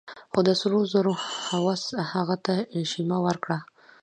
خو د سرو زرو هوس هغه ته شيمه ورکړه.